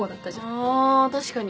あ確かに。